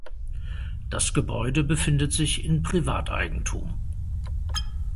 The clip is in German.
Das Gebäude befindet sich in Privateigentum.